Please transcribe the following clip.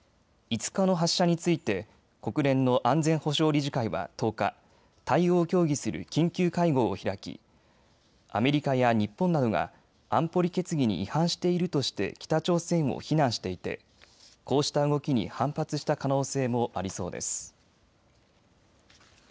５日の発射について国連の安全保障理事会は１０日、対応を協議する緊急会合を開きアメリカや日本などが安保理決議に違反しているとして北朝鮮を非難していてこうした動きに反発した可能性もありそうです。